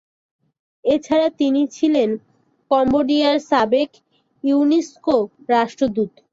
এছাড়া তিনি ছিলে কম্বোডিয়ার সাবেক ইউনেস্কো রাষ্ট্রদূত।